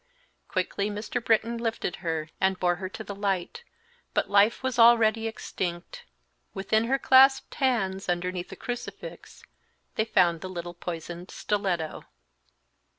Quickly Mr. Britton lifted her and bore her to the light, but life was already extinct. Within her clasped hands, underneath the crucifix, they found the little poisoned stiletto.